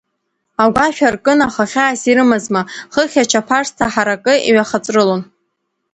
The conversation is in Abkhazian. Агәашә аркын, аха хьаас ирымазма, хыхь ачаԥарсҭа ҳаракы иҩхаҵәрылон.